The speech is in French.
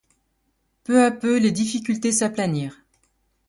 Peu à peu, les difficultés s'aplanirent.